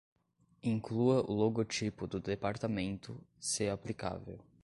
Inclua o logotipo do departamento, se aplicável.